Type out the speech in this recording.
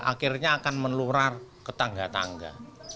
akhirnya akan menelurar ketangga tangga